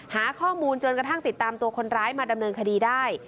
หาข้อมูลจนกระทั่งติดตามตัวคนร้ายมาดำเนินคดีได้